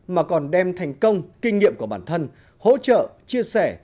mà còn đem thành công kinh nghiệm của bản thân hỗ trợ chia sẻ